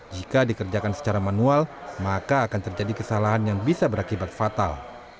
jika dikerjakan secara manual maka akan terjadi kesalahan yang bisa berakibat fatal